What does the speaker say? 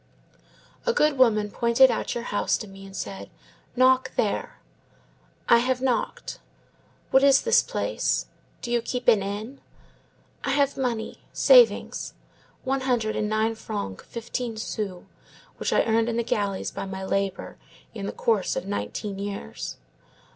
A good woman pointed out your house to me, and said to me, 'Knock there!' I have knocked. What is this place? Do you keep an inn? I have money—savings. One hundred and nine francs fifteen sous, which I earned in the galleys by my labor, in the course of nineteen years.